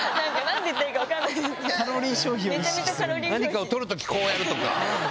何かを取る時こうやるとか。